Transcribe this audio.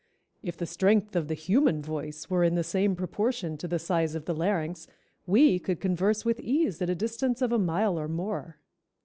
"If the strength of the human voice were in the same proportion to the size of the larynx, we could converse with ease at a distance of a mile or more."